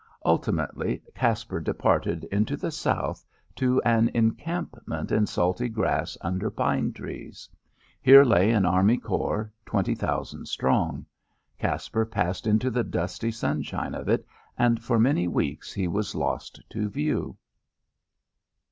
Ultimately Caspar departed into the South to an encampment in salty grass under pine trees. Here lay an Army corps twenty thousand strong. Caspar passed into the dusty sunshine of it, and for many weeks he was lost to view.